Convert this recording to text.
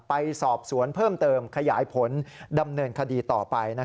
ไปสอบสวนเพิ่มเติมขยายผลดำเนินคดีต่อไป